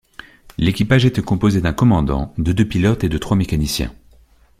L'équipage était composé d'un commandant, de deux pilotes et de trois mécaniciens.